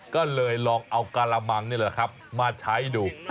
ก็เลยลองเอากระมังนี่แหละครับมาใช้ดู